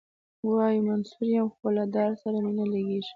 وايي منصور یم خو له دار سره مي نه لګیږي.